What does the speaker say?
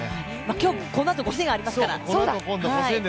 今日このあと５０００ありますから。